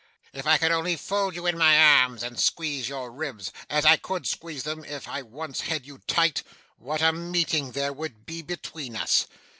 If I could only fold you in my arms, and squeeze your ribs, as I COULD squeeze them if I once had you tight what a meeting there would be between us!